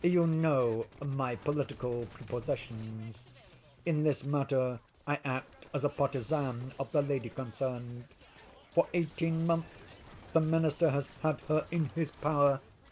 You know my political prepossessions. In this matter, I act as a partisan of the lady concerned. For eighteen months the Minister has had her in his power.